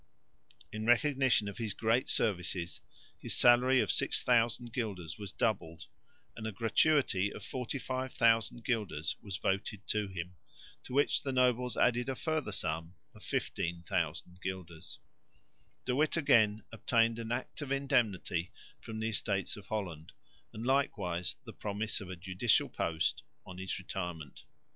In recognition of his great services his salary of 6000 guilders was doubled, and a gratuity of 45,000 guilders was voted to him, to which the nobles added a further sum of 15,000 guilders. De Witt again obtained an Act of Indemnity from the Estates of Holland and likewise the promise of a judicial post on his retirement.